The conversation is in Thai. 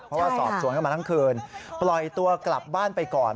เพราะว่าสอบสวนกันมาทั้งคืนปล่อยตัวกลับบ้านไปก่อน